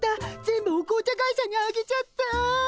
全部お紅茶会社にあげちゃった！